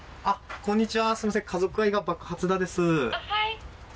こんにちは。